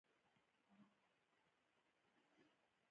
ما وپوښتل: زه خو به په بې هوښۍ کې اپلتې نه وم ویلي؟